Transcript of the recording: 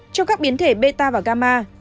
trong các biến thể beta và gamma